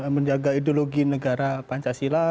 menjaga ideologi negara pancasila